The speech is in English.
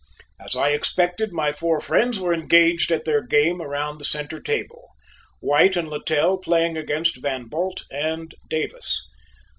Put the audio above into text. As I expected, my four friends were engaged at their game around the centre table, White and Littell playing against Van Bult and Davis.